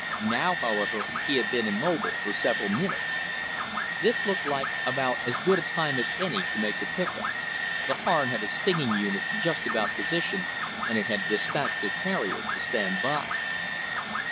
Now, however, he had been immobile for several minutes. This looked like about as good a time as any to make the pickup. The Harn had a stinging unit just about positioned, and it had dispatched a carrier to stand by.